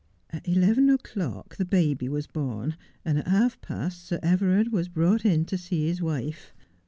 At eleven o'clock the baby was born, and at half past Sir Everard was brought in to see his wife.